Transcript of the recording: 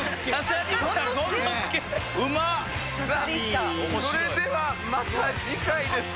さあそれではまた次回です。